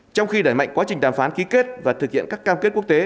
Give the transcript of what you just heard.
trong khi đẩy mạnh quá trình đàm phán ký kết và thực hiện các cam kết quốc tế